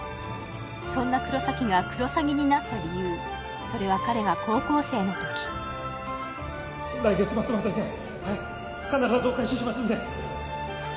そんな黒崎がクロサギになった理由それは彼が高校生のとき来月末までにははい必ずお返ししますんで